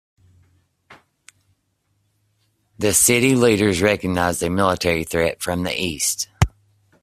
The city leaders recognized a military threat from the east.